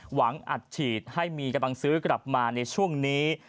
หวังอัดฉีดให้มีกำลังซื้อกลับมาในช่วงนี้